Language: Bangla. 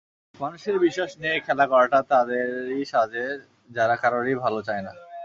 মানুষের বিশ্বাস নিয়ে খেলা করাটা তাদেরই সাজে, যারা কারোরই ভালো চায় না।